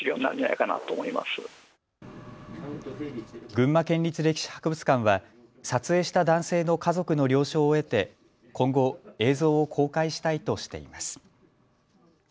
群馬県立歴史博物館は撮影した男性の家族の了承を得て今後、映像を公開したいとしています。